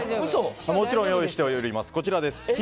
もちろん用意しています。